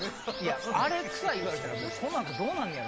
あれクサい言われたらこの後どうなんねやろ。